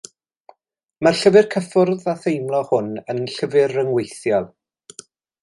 Mae'r llyfr cyffwrdd a theimlo hwn yn llyfr rhyngweithiol.